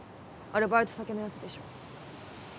あれバイト先のやつでしょ？